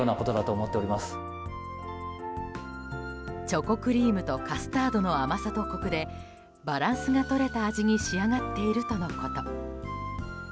チョコクリームとカスタードの甘さとコクでバランスが取れた味に仕上がっているとのこと。